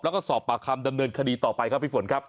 แล้วก็สอบปากคำดำเนินคดีต่อไปครับพี่ฝนครับ